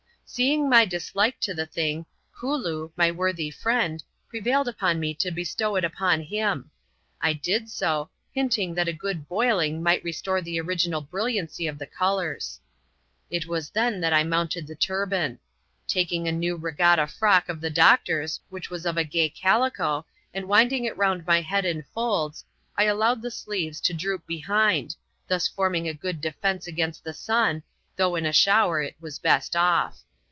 Seeing my dislike to the thing, Kooloo, my worthy friend, prevailed upon me to bestow it upon him. I did so ; hinting that a good boiling might restore the original brilliancy of the colours. It was then that I mounted the turban. Taking a new Regatta frock of the doctor's, which was of a gay calico, and winding it round my head in folds, I allowed the sleeves to droop behind — thus forming a good defence against the sun, though in a shower it was best off.